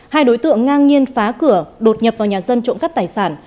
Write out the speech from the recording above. hai đối tượng ngang nhiên phá cửa đột nhập vào nhà dân trộm cắp tài sản